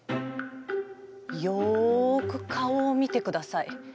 よく顔を見てください。